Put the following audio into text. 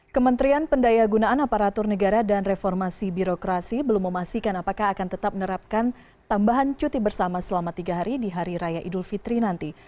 kementerian pendaya gunaan aparatur negara dan reformasi birokrasi belum memastikan apakah akan tetap menerapkan tambahan cuti bersama selama tiga hari di hari raya idul fitri nanti